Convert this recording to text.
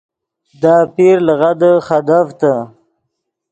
دے آپیر لغدے خدیڤتے